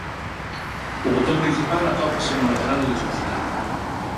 O botón principal atópase no lateral do dispositivo.